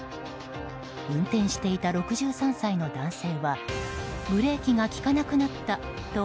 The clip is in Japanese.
運転していた６３歳の男性はブレーキが利かなくなったと